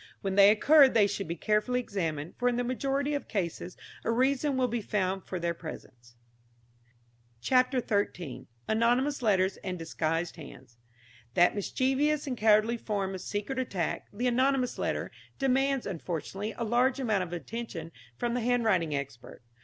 When they occur they should be carefully examined, for in the majority of cases a reason will be found for their presence. CHAPTER XIII. ANONYMOUS LETTERS AND DISGUISED HANDS. That mischievous and cowardly form of secret attack, the anonymous letter, demands, unfortunately, a large amount of attention from the handwriting expert.